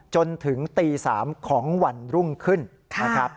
จนถึงตี๓ของวันรุ่งขึ้นนะครับ